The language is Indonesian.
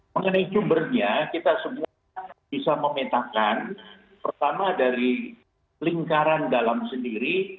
mengenai sumbernya kita semua bisa memetakan pertama dari lingkaran dalam sendiri